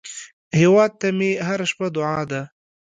هیواد ته مې هره شپه دعا ده